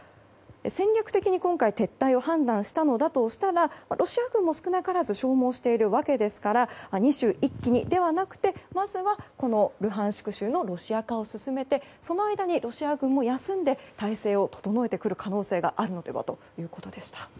戦略的に撤退を判断したのだとしたらロシア軍も少なからず消耗しているわけですから２州一気にではなくまずは、このルハンシク州のロシア化を進めてその間にロシア軍も休んで態勢を整えてくる可能性があるのではということでした。